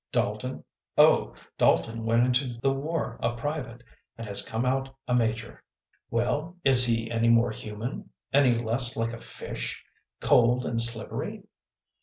"Dalton? Oh, Dalton went into the war a private, and has come out a major." " Well, is he any more human ? any less like a fish cold and slippery